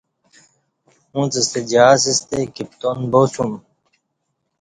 اݩڅ ستہ جِہاز تہ کپتان باسُوم